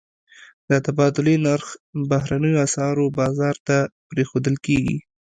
د تبادلې نرخ بهرنیو اسعارو بازار ته پرېښودل کېږي.